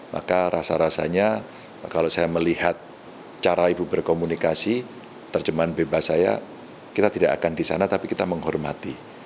maka rasa rasanya kalau saya melihat cara ibu berkomunikasi terjemahan bebas saya kita tidak akan di sana tapi kita menghormati